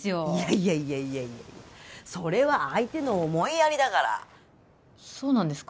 いやいやいやいやそれは相手の思いやりだからそうなんですか？